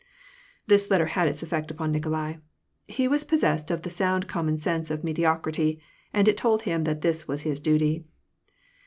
This letter had its effect upon Nikolai. He was possessed of the sound common sense of mediocrity, and it told him that this was his duty.